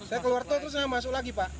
saya keluar tol terus saya masuk lagi pak